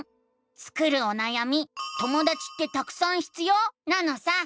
スクるおなやみ「ともだちってたくさん必要？」なのさ！